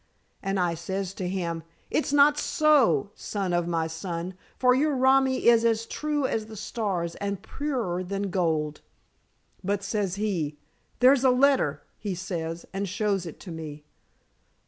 And says I to him, 'It's not so, son of my son, for your romi is as true as the stars and purer than gold.' But says he, 'There's a letter,' he says, and shows it to me.